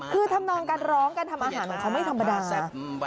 คือทำนองการร้องการทำอาหารของเขาไม่ธรรมดา